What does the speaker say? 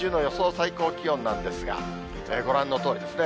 最高気温なんですが、ご覧のとおりですね。